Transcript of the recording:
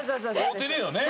合うてるよね。